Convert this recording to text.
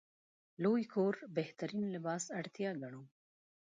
لوی کور بهترین لباس اړتیا ګڼو.